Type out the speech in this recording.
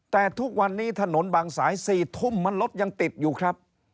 แต่ทุกวันนี้ถนนบางสาย๔ทุ่มมันรถยังติดอยู่ครับ